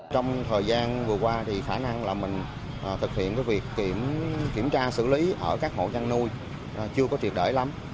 trong thời gian vừa qua thì khả năng là mình thực hiện việc kiểm tra xử lý ở các hộ chăn nuôi chưa có triệt để lắm